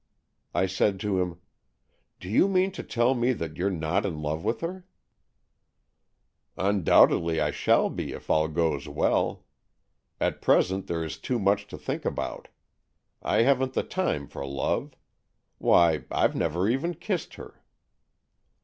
I said to him :" Do you mean to tell me that you're not in love with her ?"" Undoubtedly I shall be if all goes well. At present there is too much to think about. I haven't the time for love. Why, I've never even kissed her."